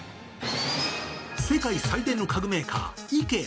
世界最大の家具メーカーＩＫＥＡ